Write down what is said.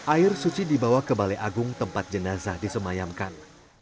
air suci dibawa ke balai agung tempat jenazah disemayamkan